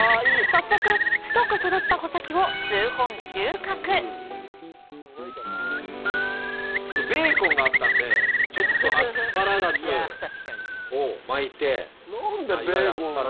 早速太く育った穂先を数本収穫ベーコンがあったんでアスパラガスを巻いて。